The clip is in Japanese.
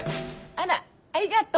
あらありがとう！